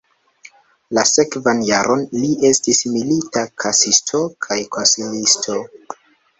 La sekvan jaron li estis milita kasisto kaj konsilisto.